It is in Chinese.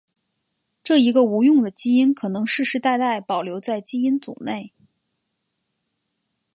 这一个无用的基因可能世世代代保留在基因组内。